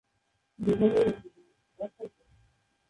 দুজনেই ইঞ্জিনিয়ার।